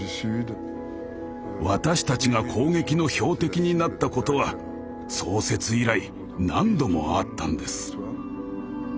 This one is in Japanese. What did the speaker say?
私たちが攻撃の標的になったことは創設以来何度もあったんです。